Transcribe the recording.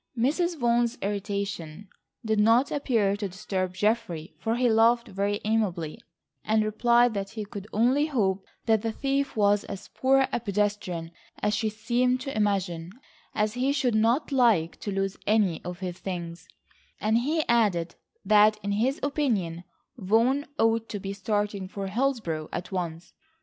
Mrs. Vaughan's irritation did not appear to disturb Geoffrey, for he laughed very amiably, and replied that he could only hope that the thief was as poor a pedestrian as she seemed to imagine as he should not like to lose any of his things; and he added that in his opinion Vaughan ought to be starting for Hillsborough at once.